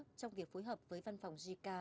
trong việc phối hợp với văn phòng gk